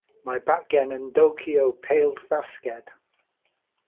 Mae bachgen yn dowcio pêl-fasged.